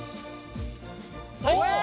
最高！